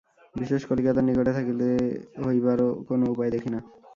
বিশেষ, কলিকাতার নিকটে থাকিলে হইবারও কোন উপায় দেখি না।